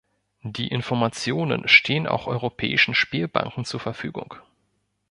Die Informationen stehen auch europäischen Spielbanken zur Verfügung.